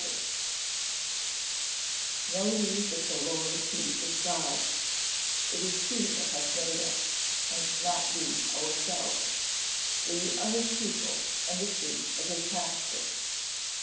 [Verse: "Know ye that the Lord he is God: it is he that hath made us, and not we ourselves: we are his people, and the sheep of his pasture."